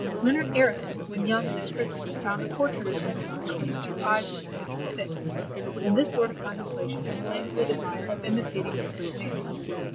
Leonard Aretin, when young and in prison, found a portrait of Petrarch, on which his eyes were perpetually fixed; and this sort of contemplation inflamed the desire of imitating this great man.